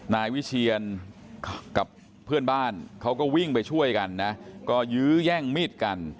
นายวิเชียนกับเพื่อนบ้านเขาก็วิ่งไปช่วยกันนะก็ยื้อแย่งมีดกัน